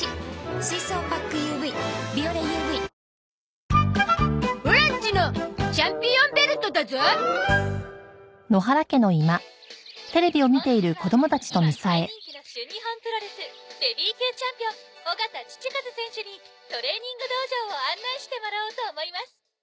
水層パックＵＶ「ビオレＵＶ」「本日は今大人気の旬日本プロレスベビー級チャンピオンオガタ・チチカズ選手にトレーニング道場を案内してもらおうと思います！」